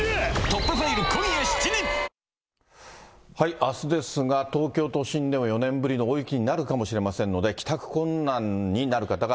あすですが、東京都心でも４年ぶりの大雪になるかもしれませんので、帰宅困難になる方が。